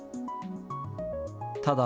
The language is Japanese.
ただ、